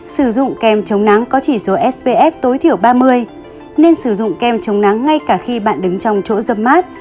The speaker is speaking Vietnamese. sử dụng kem chống nắng có chỉ số spf tối thiểu ba mươi nên sử dụng kem chống nắng ngay cả khi bạn đứng trong chỗ dâm mát